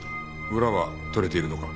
裏は取れているのか？